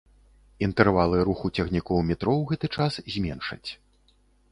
Інтэрвалы руху цягнікоў метро ў гэты час зменшаць.